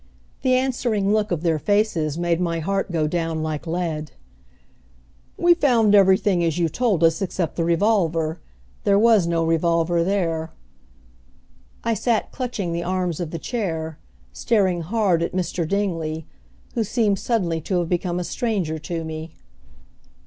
The answering look of their faces made my heart go down like lead. "We found everything as you told us except the revolver. There was no revolver there." I sat clutching the arms of the chair, staring hard at Mr. Dingley, who seemed suddenly to have become a stranger to me.